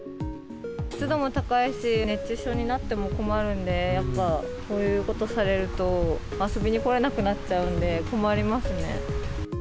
湿度も高いし、熱中症になっても困るんで、やっぱ、こういうことされると、遊びに来れなくなっちゃうんで、困りますね。